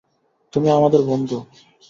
তুমি আমাদের বন্ধু।